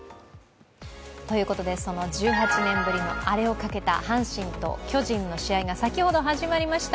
ということで、その１８年ぶりのアレをかけた阪神と巨人の試合が先ほど始まりました。